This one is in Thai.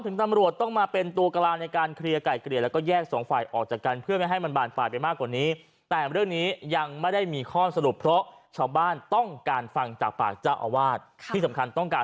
ถึงตำรวจต้องมาเป็นตัวกราบในการเคลียร์ไก่เกลียร์แล้วก็